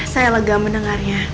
saya lega mendengarnya